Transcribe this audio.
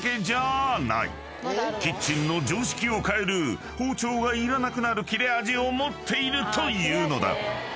［キッチンの常識を変える包丁がいらなくなる切れ味を持っているというのだ］